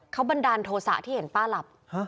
เขาบันดาลโทษะที่เห็นป้าหลับ